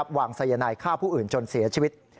วางสายนายฆ่าผู้อื่นจนเสียชีวิต